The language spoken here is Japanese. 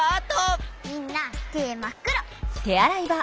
みんなてまっくろ！